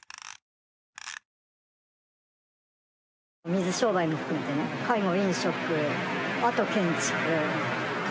水商売も含めてね、介護、飲食、あと建築。